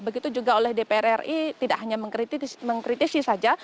begitu juga oleh dpr ri tidak hanya mengkritisi saja